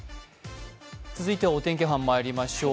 続いてはお天気班まいりましょう。